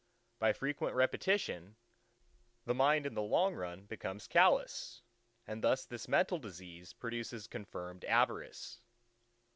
By frequent repetition, the mind in the long run becomes callous; and thus this mental disease produces confirmed Avarice.